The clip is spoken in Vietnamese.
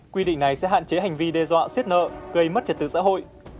quy định này sẽ hạn chế hành vi đe dọa xiết nợ gây mất trật tự xã hội